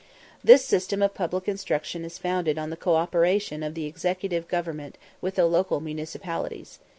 This system of public instruction is founded on the co operation of the Executive Government with the local municipalities.